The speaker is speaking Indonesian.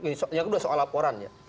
ini soal laporan ya